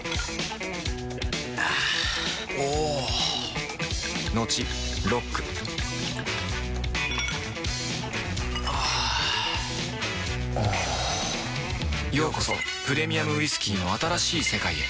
あぁおぉトクトクあぁおぉようこそプレミアムウイスキーの新しい世界へ